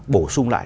bổ sung lại